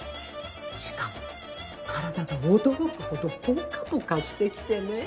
しかも体が驚くほどポカポカしてきてね。